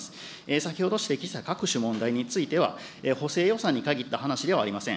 先ほど指摘した各種問題については、補正予算に限った話ではありません。